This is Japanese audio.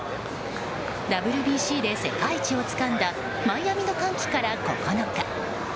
ＷＢＣで世界一をつかんだマイアミの歓喜から９日。